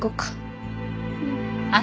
うん。